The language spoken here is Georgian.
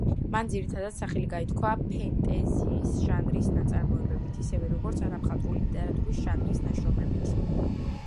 მან ძირითადად სახელი გაითქვა ფენტეზის ჟანრის ნაწარმოებით, ისევე როგორც არამხატვრული ლიტერატურის ჟანრის ნაშრომებით.